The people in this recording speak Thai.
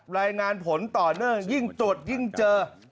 รายงานผลต่อเนื่องยิ่งตรวจยิ่งเจอ